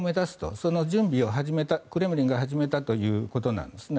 その準備をクレムリンが始めたということなんですね。